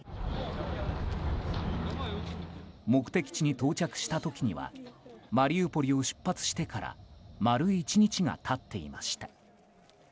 目的地に到着した時にはマリウポリを出発してから丸１日が経っていました。